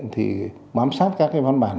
thì mắm sát các văn bản